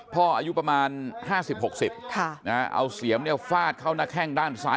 อายุประมาณ๕๐๖๐เอาเสียมฟาดเข้าหน้าแข้งด้านซ้าย